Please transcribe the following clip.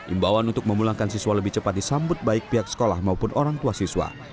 imbauan untuk memulangkan siswa lebih cepat disambut baik pihak sekolah maupun orang tua siswa